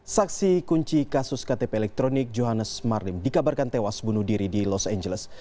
saksi kunci kasus ktp elektronik johannes marlim dikabarkan tewas bunuh diri di los angeles